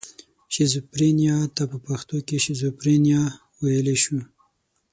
شیزوفرنیا ته په پښتو کې شیزوفرنیا ویلی شو.